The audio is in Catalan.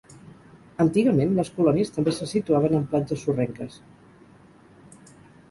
Antigament, les colònies també se situaven en platges sorrenques.